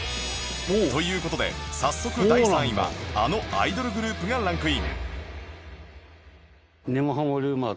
という事で早速第３位はあのアイドルグループがランクイン